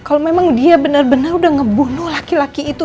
kalau memang dia benar benar udah ngebunuh laki laki itu